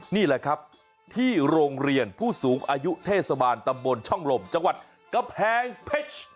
นี่แหละครับที่โรงเรียนผู้สูงอายุเทศบาลตำบลช่องลมจังหวัดกำแพงเพชร